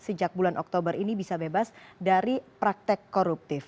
sejak bulan oktober ini bisa bebas dari praktek koruptif